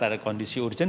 ada kondisi urgen